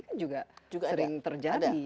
kan juga sering terjadi